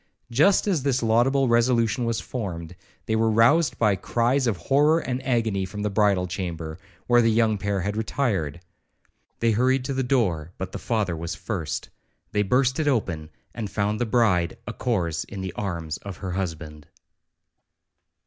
Just as this laudable resolution was formed, they were roused by cries of horror and agony from the bridal chamber, where the young pair had retired. They hurried to the door, but the father was first. They burst it open, and found the bride a corse in the arms of her husband.